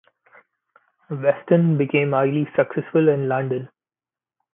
Weston became highly successful in London.